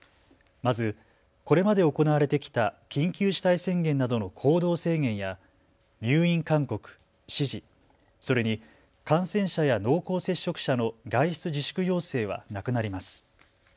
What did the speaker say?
まず、これまで行われてきた緊急事態宣言などの行動制限や入院勧告・指示、それに感染者や濃厚接触者の外出自粛要請はなくなります。